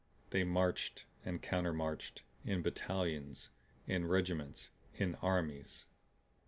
They marched and countermarched in battalions, in regiments, in armies.